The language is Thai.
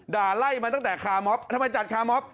ไล่มาตั้งแต่คามอบทำไมจัดคาร์มอบ